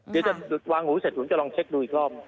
เดี๋ยวจะวางหูเสร็จหนูจะลองเช็คดูอีกรอบ